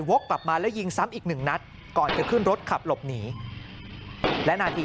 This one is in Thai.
กลับมาแล้วยิงซ้ำอีกหนึ่งนัดก่อนจะขึ้นรถขับหลบหนีและนาที